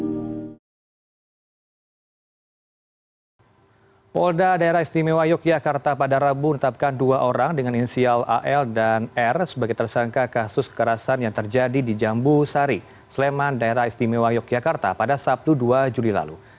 kapolda daerah istimewa yogyakarta pada rabu menetapkan dua orang dengan inisial al dan r sebagai tersangka kasus kekerasan yang terjadi di jambu sari sleman daerah istimewa yogyakarta pada sabtu dua juli lalu